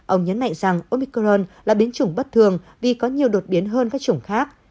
ông nhấn mạnh rằng omicron là biến chủng bất thường vì có nhiều đột biến hơn các chủng khác